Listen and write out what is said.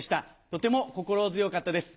とても心強かったです。